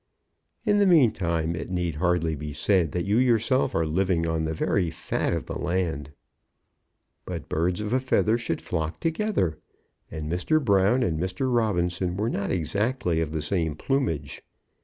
In the meantime it need hardly be said that you yourself are living on the very fat of the land. But birds of a feather should flock together, and Mr. Brown and Mr. Robinson were not exactly of the same plumage.